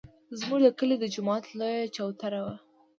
زموږ د کلي د جومات لویه چوتره وه.